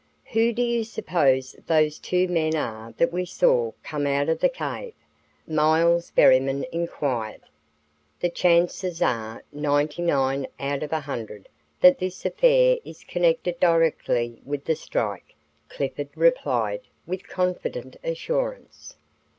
"Who do you suppose those two men are that we saw come out of the cave?" Miles Berryman inquired. "The chances are ninety nine out of a hundred that this affair is connected directly with the strike," Clifford replied, with confident assurance.